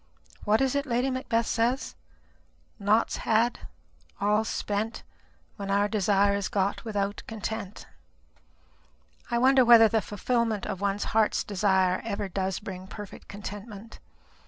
What is it Lady Macbeth says? 'Naught's had, all's spent, when our desire is got without content.' I wonder whether the fulfilment of one's heart's desire ever does bring perfect contentment?